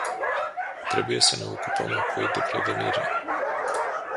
Trebuie să ne ocupăm apoi de prevenire.